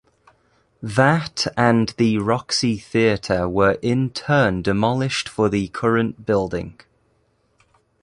That and the Roxy Theatre were in turn demolished for the current building.